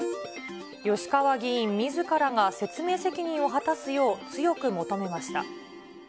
吉川議員みずからが説明責任を果たすよう、強く求めました。